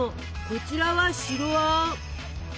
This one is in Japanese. こちらは白あん。